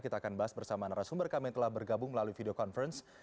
kita akan bahas bersama narasumber kami yang telah bergabung melalui video conference